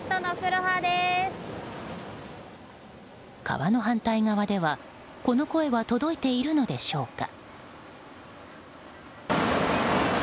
川の反対側ではこの声は届いているのでしょうか。